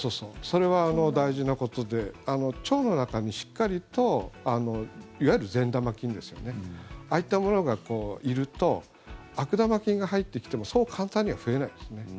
それは大事なことで腸の中にしっかりといわゆる善玉菌ですよねああいったものがいると悪玉菌が入ってきてもそう簡単には増えないですね。